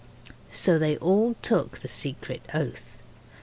So they all took the secret oath.